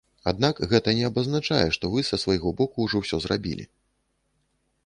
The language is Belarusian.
Аднак гэта не абазначае, што вы са свайго боку ўжо ўсё зрабілі.